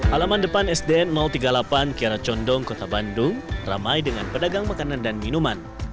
alaman depan sdn tiga puluh delapan kiara condong kota bandung ramai dengan pedagang makanan dan minuman